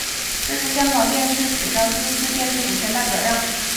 这是香港电视史上第一次电视股权大转让。